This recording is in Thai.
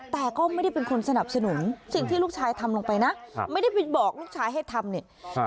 แต่ก็ไม่ได้เป็นคนสนับสนุนสิ่งที่ลูกชายทำลงไปนะไม่ได้ไปบอกลูกชายให้ทำเนี่ย